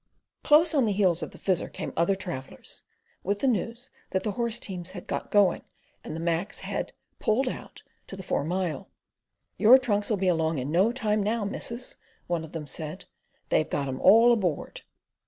Close on the heels of the Fizzer came other travellers, with the news that the horse teams had got going and the Macs had "pulled out" to the Four Mile. "Your trunks'll be along in no time now, missus," one of them said. "They've got 'em all aboard."